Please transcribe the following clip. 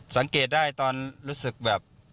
สังเกตได้ตอนรู้สึกแบบ